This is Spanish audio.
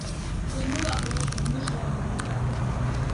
es muy vaporoso, muy suave ,¿ verdad?